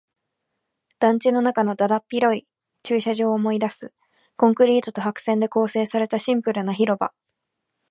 団地の中のだだっ広い駐車場を思い出す。コンクリートと白線で構成されたシンプルな広場。